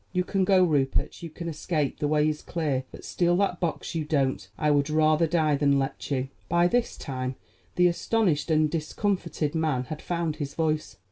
You can go, Rupert; you can escape; the way is clear. But steal that box you don't; I would rather die than let you." By this time the astonished and discomfited man had found his voice.